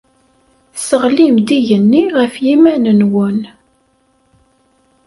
Tesseɣlim-d igenni ɣef yiman-nwen.